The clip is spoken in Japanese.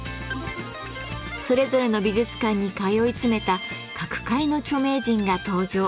それぞれの美術館に通い詰めた各界の著名人が登場。